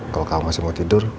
kalau kamu masih mau tidur